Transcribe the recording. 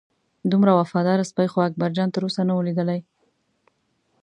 دومره وفاداره سپی خو اکبرجان تر اوسه نه و لیدلی.